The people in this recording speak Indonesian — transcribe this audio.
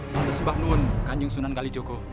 pantes bah nuun kanjeng sunan kalijogo